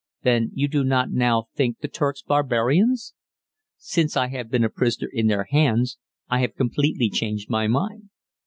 "Then you do not now think the Turks barbarians?" "Since I have been a prisoner in their hands I have completely changed my mind."